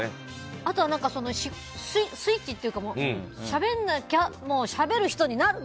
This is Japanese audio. あとはスイッチというかしゃべらなきゃしゃべる人になる！